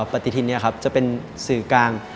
ปฏิทิณจะเป็นศูนย์กาล